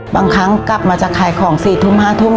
บางครั้งกลับมาจะขายของ๔ทุ่ม๕ทุ่ม